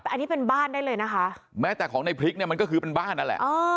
แต่อันนี้เป็นบ้านได้เลยนะคะแม้แต่ของในพริกเนี่ยมันก็คือเป็นบ้านนั่นแหละ